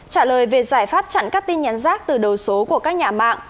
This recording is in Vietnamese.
trả lời về giải pháp chặn các tin nhắn rác từ đầu số của các nhà mạng